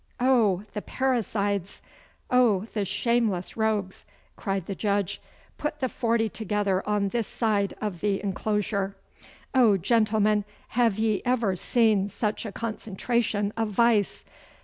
'Oh, the parricides! Oh, the shameless rogues!' cried the Judge. 'Put the forty together on this side of the enclosure. Oh, gentlemen, have ye ever seen such a concentration of vice?